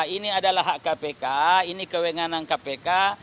ini adalah hak kpk ini kewenangan kpk